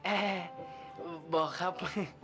eh eh bokap